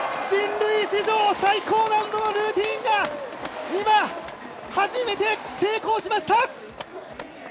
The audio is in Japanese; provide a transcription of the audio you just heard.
人類史上最高難度のルーティンが今、初めて成功しました！